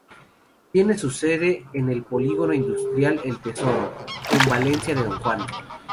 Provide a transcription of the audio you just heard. Tiene su sede en el Polígono Industrial El Tesoro, en Valencia de Don Juan.